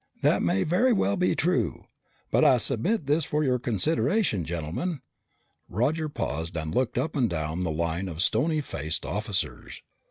That may very well be true. But I submit this for your consideration, gentlemen " Roger paused and looked up and down the line of stony faced officers.